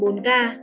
đống đa ba ca